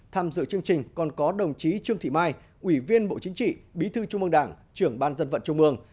tham dự chương trình còn có đồng chí trương thị mai ủy viên bộ chính trị bí thư trung mương đảng trưởng ban dân vận trung ương